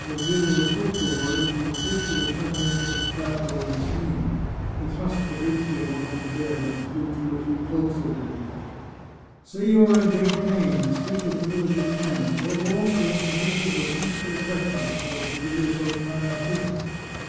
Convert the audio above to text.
As Grillo spoke the words he was hastily shutting up the little trap door in the screen. He thrust Fabrizio on to his bed, and threw two or three cloaks over him. " Say you are in great psin, and speak as little as you can. Above all things, make them repeat their questions, so as to give yourself time to think."